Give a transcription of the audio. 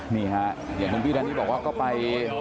นี่ฮะอย่างคุณพี่ดานี่บอกว่าก็ไป